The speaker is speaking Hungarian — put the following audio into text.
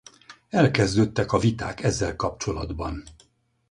Elkezdődtek a viták ezzel kapcsolatban.